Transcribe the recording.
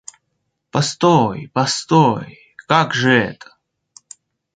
Постой, постой, как же это?